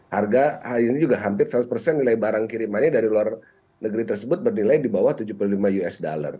harga ini juga hampir seratus nilai barang kirimannya dari luar negeri tersebut bernilai di bawah tujuh puluh lima usd